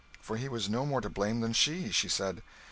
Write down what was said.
For he was no more to blame than she, she said.